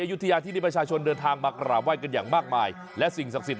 อยุธยาที่นี่ประชาชนเดินทางมากราบว่ายคุณผู้ชมภูมิมากมายและสิ่งศักดิ์สิทธิ